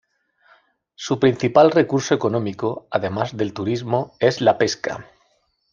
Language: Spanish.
Su principal recurso económico, además del turismo, es la pesca.